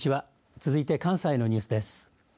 続いて関西のニュースです。